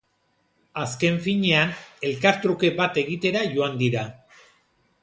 Azken finean, elkartruke bat egitera joan dira.